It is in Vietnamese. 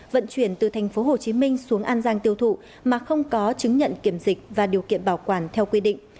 vận chuyển từ thành phố hồ chí minh xuống an giang tiêu thụ mà không có chứng nhận kiểm dịch và điều kiện bảo quản theo quy định